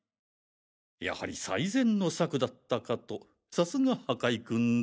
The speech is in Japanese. やはり最善の策だったかとさすが赤井君だ。